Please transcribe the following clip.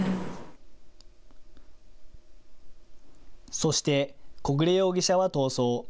そして、小暮容疑者は逃走。